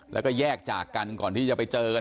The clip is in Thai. แล้วก็แยกจากกันก่อนที่จะไปเจอกัน